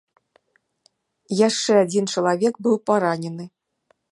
Яшчэ адзін чалавек быў паранены.